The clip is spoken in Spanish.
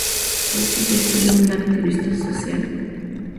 Hoy sigue siendo un activista social.